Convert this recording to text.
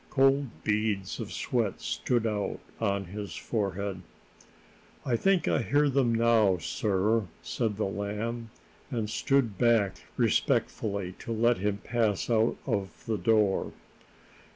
Cold beads of sweat stood out on his forehead. "I think I hear them now, sir," said the Lamb, and stood back respectfully to let him pass out of the door.